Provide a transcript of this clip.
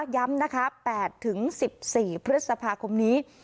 ย้ำนะคะ๘๑๔พฤษภาคมนี้